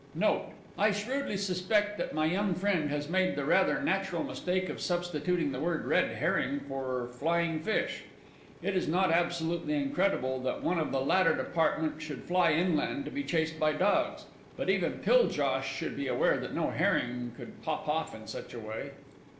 Note. I shrewdly suspect that my young friend has made the rather natural mistake of substituting the word "Red Herring" for "Flying Fish." It is not absolutely incredible that one of the latter department should fly inland and be chased by Dogs but even Piljosh should be aware that no Herring could pop off in such a way.